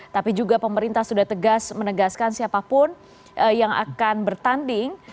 tapi juga pemerintah sudah tegas menegaskan siapapun yang akan bertanding